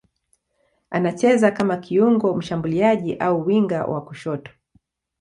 Anacheza kama kiungo mshambuliaji au winga wa kushoto.